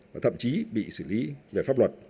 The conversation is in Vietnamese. và thậm chí bị xử lý về pháp luật